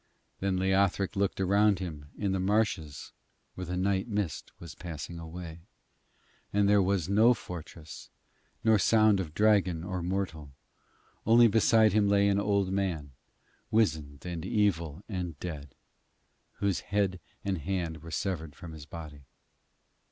Then Leothric looked around him in the marshes where the night mist was passing away, and there was no fortress nor sound of dragon or mortal, only beside him lay an old man, wizened and evil and dead, whose head and hand were severed from his body.